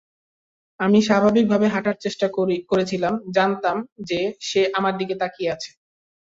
আমি স্বাভাবিক ভাবে হাঁটার চেষ্টা করছিলাম, জানতাম যে সে আমার দিকে তাকিয়ে আছে।